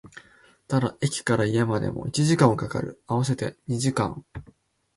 ただ、駅から家までも一時間は掛かる、合わせて二時間